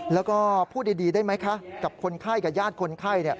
แล้วก็พูดดีได้ไหมคะกับคนไข้กับญาติคนไข้